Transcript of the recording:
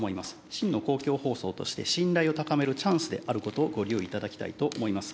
真の公共放送として、信頼を高めるチャンスであることを、ご留意いただきたいと思います。